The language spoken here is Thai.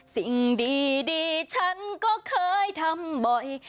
สิ่งดีฉันก็เคยทำบ่อย